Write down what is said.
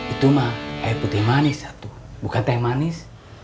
itu mah air putih manis satu bukan teh manis